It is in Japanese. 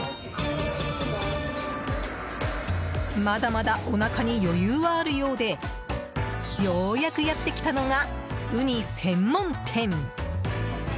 まだまだおなかに余裕はあるようでようやくやってきたのがウニ専門店。